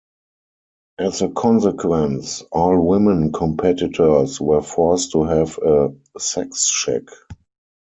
As a consequence, all women competitors were forced to have a sex check.